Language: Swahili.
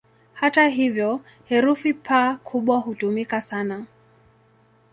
Hata hivyo, herufi "P" kubwa hutumika sana.